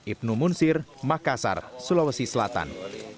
ibnu munsir makassar sulawesi selatan